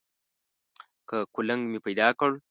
که کولنګ مې پیدا کړ.